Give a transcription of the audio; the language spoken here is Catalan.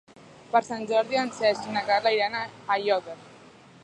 Per Sant Jordi en Cesc i na Carla iran a Aiòder.